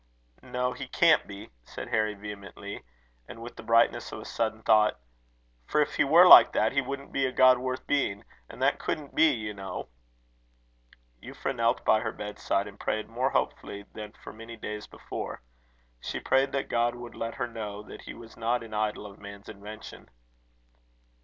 "No, he can't be," said Harry, vehemently, and with the brightness of a sudden thought; "for if he were like that, he wouldn't be a God worth being; and that couldn't be, you know." Euphra knelt by her bedside, and prayed more hopefully than for many days before. She prayed that God would let her know that he was not an idol of man's invention.